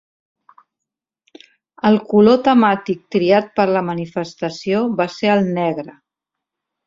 El color temàtic triat per a la manifestació va ser el negre.